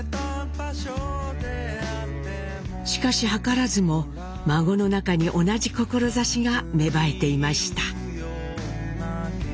しかし図らずも孫の中に同じ志が芽生えていました。